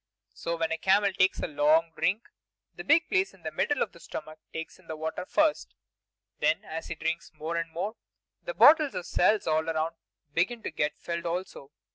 So when a camel takes a good long drink, the big place in the middle of the stomach takes in the water first; then as he drinks more and more, the bottles or cells all around begin to get filled also.